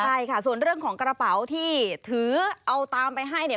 ใช่ค่ะส่วนเรื่องของกระเป๋าที่ถือเอาตามไปให้เนี่ย